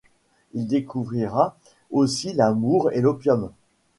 Il découvrira aussi l'amour et l'opium.